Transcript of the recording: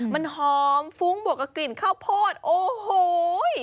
มันหอมฟุ้งบวกกับกลิ่นข้าวโพดโอ้โห